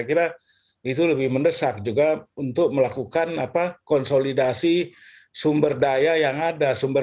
kira itu lebih mendesak juga untuk melakukan apa konsolidasi sumber daya yang ada sumber